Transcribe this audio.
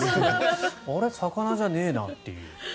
あれ魚じゃねえなという。